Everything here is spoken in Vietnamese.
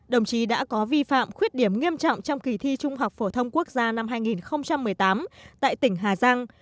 đồng chí đã có vi phạm khuyết điểm nghiêm trọng trong kỳ thi trung học phổ thông quốc gia năm hai nghìn một mươi tám tại tỉnh hà giang